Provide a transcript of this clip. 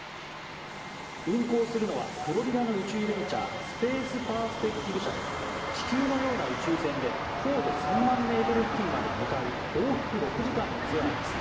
運航するのはフロリダの宇宙ベンチャースペース・パースペクティブ社で気球のような宇宙船で高度３万ｍ付近まで向かう往復６時間のツアーです。